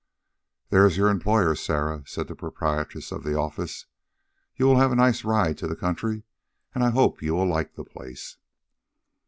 "There is your employer, Sarah," said the proprietress of the office. "You will have a nice ride to the country and I hope you will like the place."